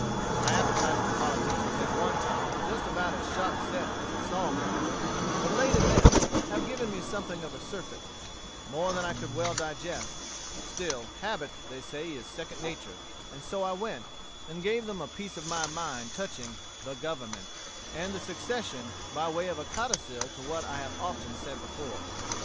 My appetite for politics was at one time just about as sharp set as a saw mill, but late events have given me something of a surfeit, more than I could well digest; still, habit, they say, is second natur, and so I went, and gave them a piece of my mind touching 'the Government' and the succession, by way of a codicil to what I have often said before.